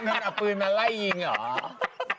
นั่นเอาปืนมาไล่ยิงเหรอ